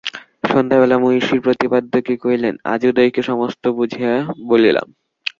সন্ধ্যাবেলা মহিষী প্রতাপাদিত্যকে কহিলেন, আজ উদয়কে সমস্ত বুঝাইয়া বলিলাম।